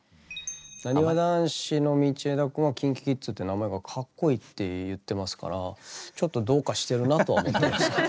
なにわ男子の道枝君はＫｉｎＫｉＫｉｄｓって名前がかっこいいって言ってますからちょっとどうかしてるなとは思ってますけど。